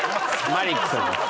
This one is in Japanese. マリックさんです。